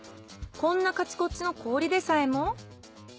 こんなカチコチの氷でさえも。